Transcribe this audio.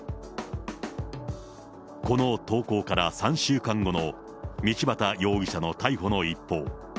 この投稿から３週間後の道端容疑者の逮捕の一報。